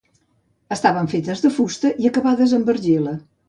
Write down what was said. Estaven fetes de fusta i acabades amb argila.